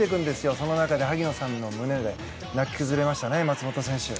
その中で萩野さんの胸で泣き崩れましたね、松元選手。